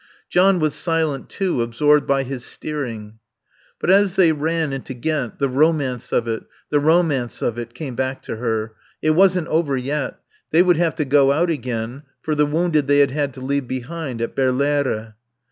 John was silent, too, absorbed by his steering. But as they ran into Ghent the romance of it, the romance of it, came back to her. It wasn't over yet. They would have to go out again for the wounded they had had to leave behind at Berlaere.